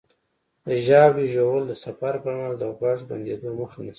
د ژاولې ژوول د سفر پر مهال د غوږ بندېدو مخه نیسي.